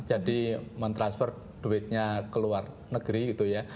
jadi men transfer duitnya ke luar negeri gitu ya